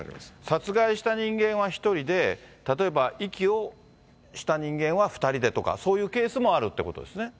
殺害した人間は１人で、例えば、遺棄をした人間は２人でとか、そういうケースもあるってことですね。